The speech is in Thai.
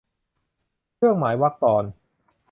เครื่องหมายวรรคตอน